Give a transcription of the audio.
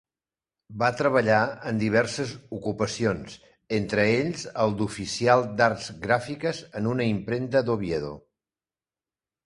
Va treballar en diverses ocupacions, entre ells el d'oficial d'arts gràfiques en una impremta d'Oviedo.